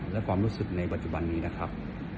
และความรู้สึกในปัจจุบันนี้นะครับ